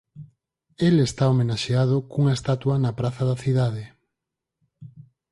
El está homenaxeado cunha estatua na praza da cidade.